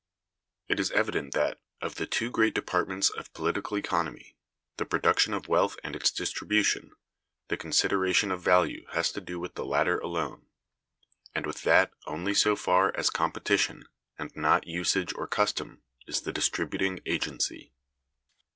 It is evident that, of the two great departments of Political Economy, the production of wealth and its distribution, the consideration of Value has to do with the latter alone; and with that only so far as competition, and not usage or custom, is the distributing agency.